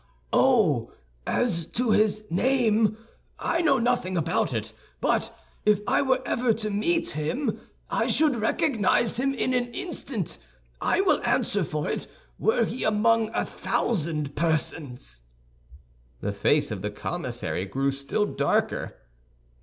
"Oh, as to his name, I know nothing about it; but if I were ever to meet him, I should recognize him in an instant, I will answer for it, were he among a thousand persons." The face of the commissary grew still darker.